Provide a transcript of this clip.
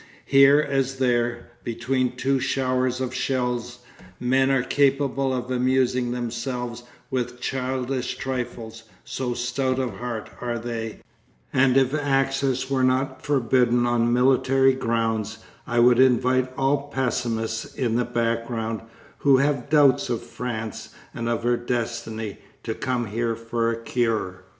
Here, as there, between two showers of shells, men are capable of amusing themselves with childish trifles, so stout of heart are they, and if access were not forbidden on military grounds I would invite all pessimists in the background, who have doubts of France and of her destiny, to come here for a cure.